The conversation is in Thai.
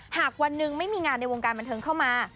หากวันหนึ่งไม่มีงานในวงการบันเทิงเข้ามา